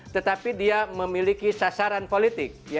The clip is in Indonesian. tetapi dia memiliki sasaran politik